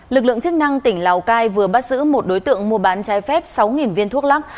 lực lượng chức năng tỉnh lào cai vừa bắt giữ một đối tượng mua bán trái phép sáu viên thuốc lắc